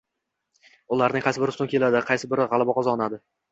Ularning qaysi biri ustun keladi? Qay bir qon gʻalaba qozonadi?